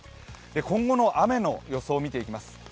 今後の雨の予想を見ていきます。